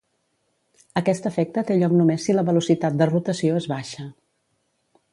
Aquest efecte té lloc només si la velocitat de rotació és baixa.